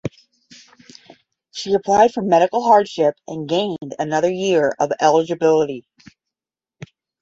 She applied for medical hardship and gained another year of eligibility.